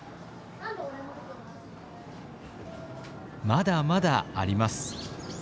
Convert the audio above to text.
まだまだあります。